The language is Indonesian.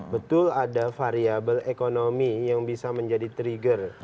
betul ada variable ekonomi yang bisa menjadi trigger